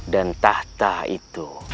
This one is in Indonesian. dan tahta itu